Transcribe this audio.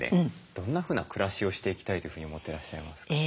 どんなふうな暮らしをしていきたいというふうに思ってらっしゃいますか？